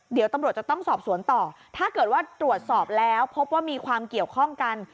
เดี๋ยวตำรวจจะต้องสอบสวนต่อถ้าเกิดว่าตรวจสอบแล้วพบว่ามีความเกี่ยวข้องกัน